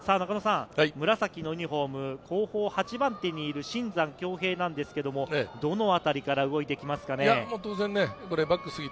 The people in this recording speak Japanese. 紫のユニホーム、後方８番手にいる新山響平ですけれど、どのあたりから動いてきますかね？